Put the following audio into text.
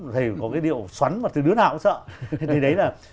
thầy có cái điệu xoắn mà thầy đứa nào cũng sợ